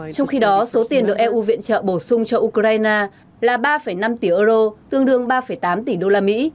trong khi đó số tiền được eu viện trợ bổ sung cho ukraine là ba năm tỷ euro tương đương ba tám tỷ đô la mỹ